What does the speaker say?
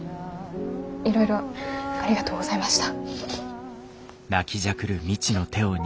いろいろありがとうございました。